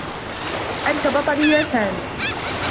أنت بطلي يا سامي.